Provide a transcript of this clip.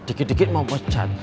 dikit dikit mau pecat